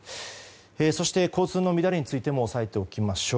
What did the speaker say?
そして、交通の乱れについても押さえておきましょう。